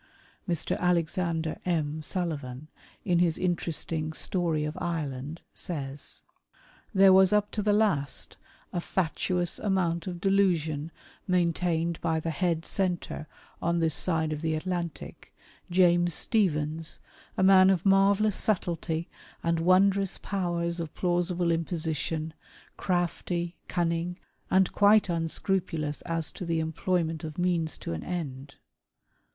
Mr. Alexander M. Sullivan in his interesting " Story of Ireland " says : 142 WAR OF ANTICHRIST WITH THE CHURCH, " There was up to the last a fatuous amount of delusion '^ maintained by the ' Head Centre ' on this side of the Atlantic, " James Stephens, a man of marvellous subtlety and wondrous " powers of plausible imposition ; crafty, cunning, and quite un " scrupulous as to the employment of means to an end.